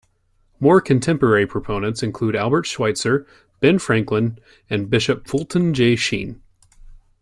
More contemporary proponents included Albert Schweitzer, Ben Franklin, and Bishop Fulton J. Sheen.